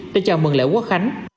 để chào mừng lễ quốc khánh